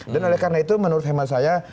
dan oleh karena itu menurut heman saya